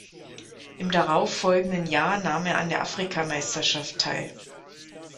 Im darauf folgenden Jahr nahm er an der Afrikameisterschaft teil.